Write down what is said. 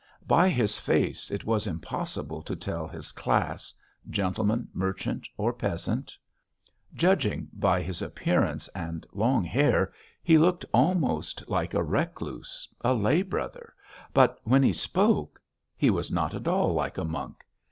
By his face it was impossible to tell his class: gentleman, merchant, or peasant; judging by his appearance and long hair he looked almost like a recluse, a lay brother, but when he spoke he was not at all like a monk.